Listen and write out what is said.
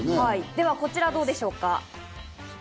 では、こちらはどうでしょうか。